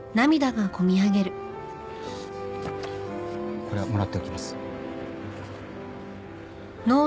これはもらっておきます。